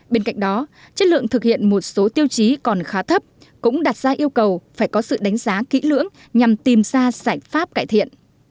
bên cạnh đó chất lượng thực hiện một số tiêu chí còn khá thấp cũng đặt ra yêu cầu phải có sự đánh giá kỹ lưỡng nhằm tìm ra giải pháp cải thiện